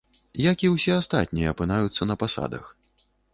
Як і ўсе астатнія апынаюцца на пасадах.